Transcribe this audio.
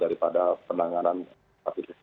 daripada penanganan hepatitis